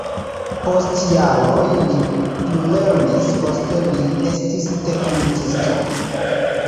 Post jaroj li plulernis, poste li estis teknikisto.